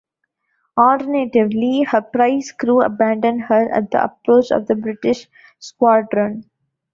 Alternatively, her prize crew abandoned her at the approach of the British squadron.